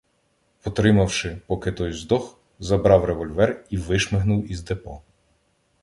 Потримавши, поки той здох, забрав револьвер і вишмигнув із депо.